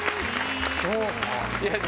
そうか。